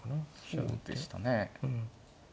そうでしたね。